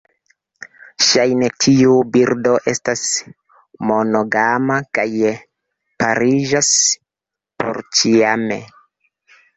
Ŝajne tiu birdo estas monogama kaj pariĝas porĉiame.